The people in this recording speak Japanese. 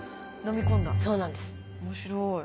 面白い。